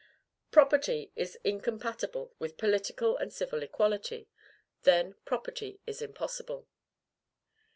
Property is incompatible with political and civil equality; then property is impossible.